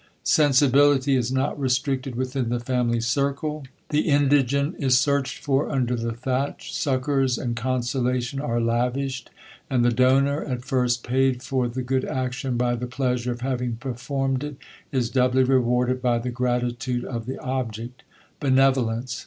Sensibility is not restricted within the family circle ; the indigent is searched for under the thatch ; succours and consolation are lavish ed ; and the donor, at first paid for the good action by the pleasure of having performed it, is doubly rewarded by the gmtitude of the object. Benevolence!